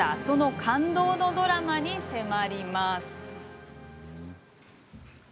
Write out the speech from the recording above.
その感動のドラマに迫ります。